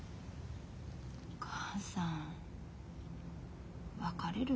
お母さん別れる気？